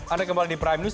anda kembali di prime news